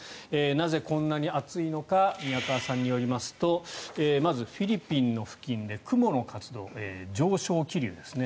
なぜ、こんなに暑いのか宮川さんによりますとまず、フィリピンの付近で雲の活動、上昇気流ですね